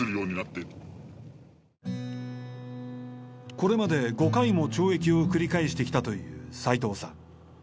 これまで５回も懲役を繰り返してきたという斉藤さん。